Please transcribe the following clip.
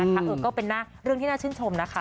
ก็เป็นเรื่องที่น่าชื่นชมนะคะ